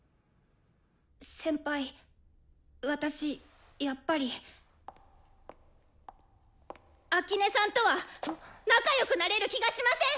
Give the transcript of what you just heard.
先輩私やっぱり秋音さんとは仲よくなれる気がしません！